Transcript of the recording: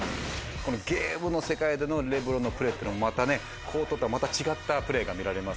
ゲームの世界でのレブロンのプレーもコートとは違ったプレーが見られます。